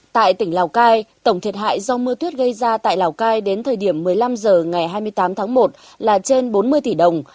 tại tỉnh lào cai tổng thiệt hại do mưa tuyết gây ra tại lào cai đến thời điểm một mươi năm h ngày hai mươi tám tháng một là trên bốn mươi tỷ đồng